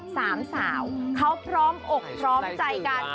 สามสาวเขาพร้อมอกพร้อมใจกัน